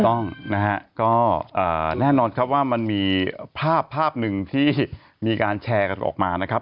ต้องนะฮะก็แน่นอนครับว่ามีภาพนึงที่มีการแชร์ออกมานะครับ